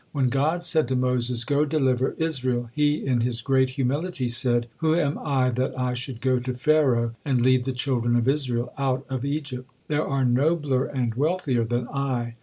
When God said to Moses, "Go, deliver Israel," he in his great humility, said: "Who am I that I should go to Pharaoh and lead the children of Israel out of Egypt? There are nobler and wealthier than I."